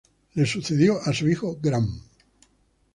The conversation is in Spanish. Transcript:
Le sucedió su hijo Gram